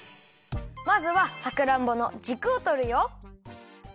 まずはさくらんぼのじくをとるよ。